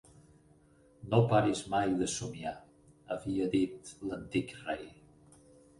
"No paris mai de somiar", havia dit l'antic rei.